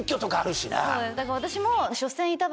だから私も。